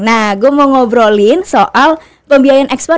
nah gue mau ngobrolin soal pembiayaan ekspor